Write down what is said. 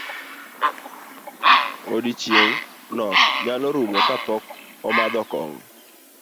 Odiochieng' nok nyal rumo kapok omadho kong'o.